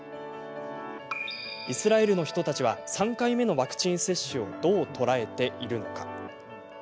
イスラエルの人たちは３回目のワクチン接種をどう捉えているのか。